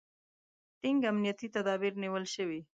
ټینګ امنیتي تدابیر نیول شوي.